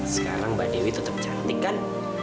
sekarang mbak dewi tetap cantik kan